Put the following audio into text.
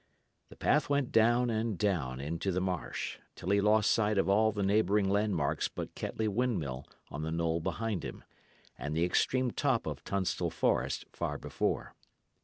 The path went down and down into the marsh, till he lost sight of all the neighbouring landmarks but Kettley windmill on the knoll behind him, and the extreme top of Tunstall Forest far before.